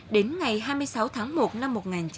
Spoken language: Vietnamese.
đến ngày hai mươi sáu tháng một năm một nghìn chín trăm bảy mươi